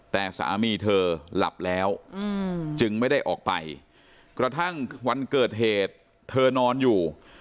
แต่สามีเธอหลับแล้วจึงไม่ได้ออกไปกระทั่งวันเกิดเหตุเธอนอนอยู่